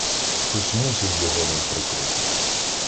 Хтось мусив його ним прикрити!